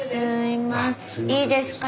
いいですか？